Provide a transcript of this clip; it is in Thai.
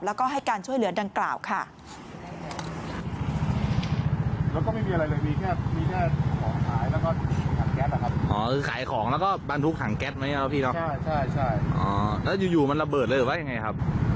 แล้วก็ให้การช่วยเหลือดังกล่าวค่ะ